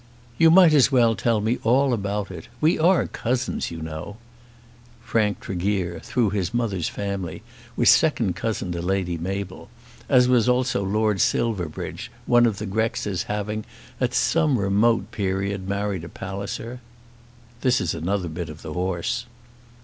"You might as well tell me all about it. We are cousins, you know." Frank Tregear, through his mother's family, was second cousin to Lady Mabel; as was also Lord Silverbridge, one of the Grexes having, at some remote period, married a Palliser. This is another bit of the horse.